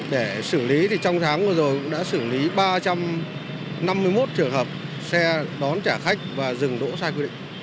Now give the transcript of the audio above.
để xử lý thì trong tháng vừa rồi cũng đã xử lý ba trăm năm mươi một trường hợp xe đón trả khách và dừng đỗ sai quy định